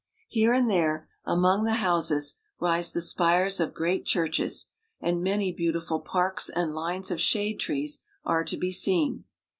Here and there, among the houses, rise the spires of great churches ; and many beau tiful parks and lines of shade trees are to be seen.